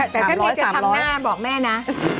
แต่ถ้าเมียจะทำหน้าบอกแม่นะ